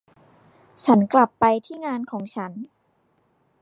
ฉันกลับไปที่งานของฉัน